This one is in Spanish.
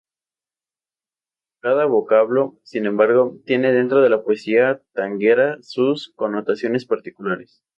Cada vocablo, sin embargo, tiene dentro de la poesía tanguera sus connotaciones particulares.